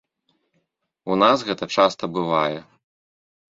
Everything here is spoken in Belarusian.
У нас гэта часта бывае.